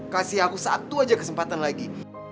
kasih aku satu aja kesempatan lagi